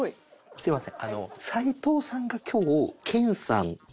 すいません。